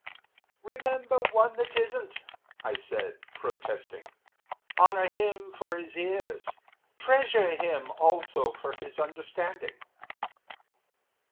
"Remember one that isn't," I said, protesting. "Honor him for his ears; Treasure him also for his understanding."